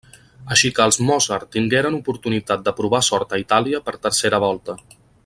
Així que els Mozart tingueren oportunitat de provar sort a Itàlia per tercera volta.